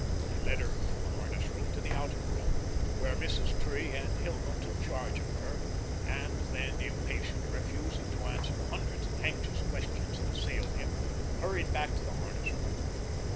He led her from the harness room to the outer room, where Mrs. Tree and Hilma took charge of her, and then, impatient, refusing to answer the hundreds of anxious questions that assailed him, hurried back to the harness room.